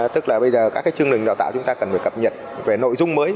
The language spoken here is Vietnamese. tức là bây giờ các cái chương trình đào tạo chúng ta cần phải cập nhật về nội dung mới